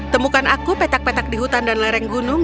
temukan aku petak petak di hutan dan lereng gunung